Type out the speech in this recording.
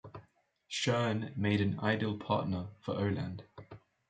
Shearn made an ideal partner for Oland.